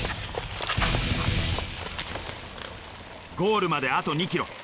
ゴールまであと２ｋｍ。